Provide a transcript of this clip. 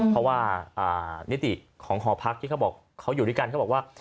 เพราะว่านิติของหอพักที่เขาบอกเขาอยู่ด้วยกันเขาบอกว่า